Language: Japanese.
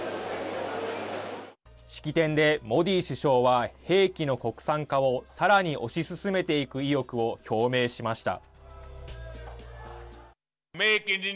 式典でモディ首相は兵器の国産化をさらに推し進めていく意欲を表明しました。